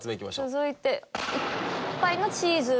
続いて。